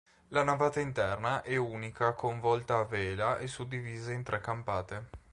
La navata interna è unica con volta a vela e suddivisa in tre campate.